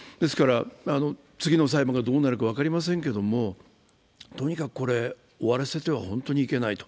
次の裁判がどうなるか分かりませんけれども、とにかく終わらせては本当にいけない。